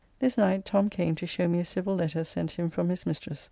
This night Tom came to show me a civil letter sent him from his mistress.